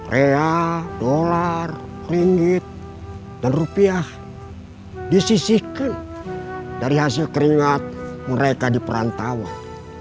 rea dolar ringgit dan rupiah disisihkan dari hasil keringat mereka di perantauan